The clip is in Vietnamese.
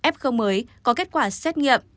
f mới có kết quả xét nghiệm